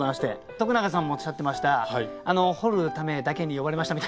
徳永さんもおっしゃってました「掘るためだけに呼ばれました」みたいな。